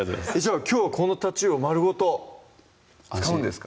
きょうはこのたちうおまるごと使うんですか？